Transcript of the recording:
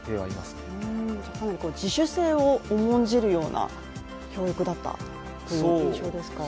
かなり自主性を重んじるような教育だったという印象ですか。